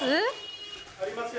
あります？